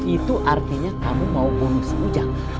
itu artinya kamu mau bunuh si mujang